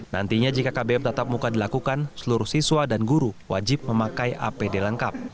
nantinya jika kbm tatap muka dilakukan seluruh siswa dan guru wajib memakai apd lengkap